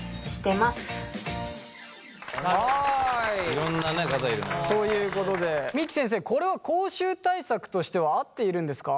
いろんな方いるね。ということで三木先生これは口臭対策としては合っているんですか？